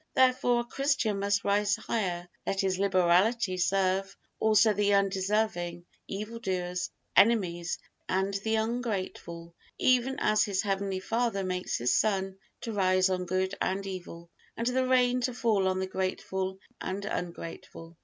Therefore a Christian must rise higher, let his liberality serve also the undeserving, evil doers, enemies, and the ungrateful, even as his heavenly Father makes His sun to rise on good and evil, and the rain to fall on the grateful and ungrateful.